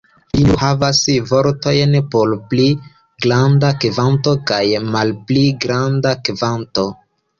Ili nur havas vortojn por "pli granda kvanto" kaj "malpli granda kvanto".